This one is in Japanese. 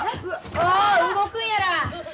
お動くんやら。